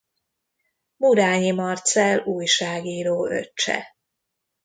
Murányi Marcell újságíró öccse.